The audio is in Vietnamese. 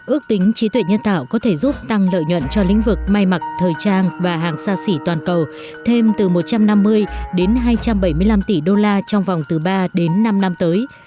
ước tính trí tuệ nhân tạo có thể giúp tăng lợi nhuận cho lĩnh vực may mặc thời trang và hàng xa xỉ toàn cầu thêm từ một trăm năm mươi đến hai trăm bảy mươi năm tỷ đô la trong vòng từ ba đến năm năm tới